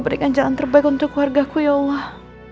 berikan jalan terbaik untuk keluarga ku ya allah